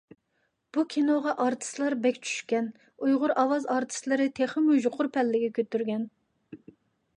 بۇ كىنوغا ئارتىسلار بەك چۈشكەن، ئۇيغۇر ئاۋاز ئارتىسلىرى تېخىمۇ يۇقىرى پەللىگە كۆتۈرگەن.